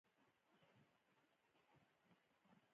هو، هر ځای چې تا وټاکه زما خوښ دی.